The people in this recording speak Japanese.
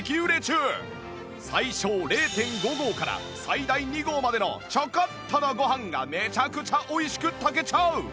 最小 ０．５ 合から最大２合までのちょこっとのご飯がめちゃくちゃ美味しく炊けちゃう！